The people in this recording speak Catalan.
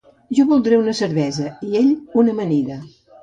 Jo voldré una cervesa i ell una amanida.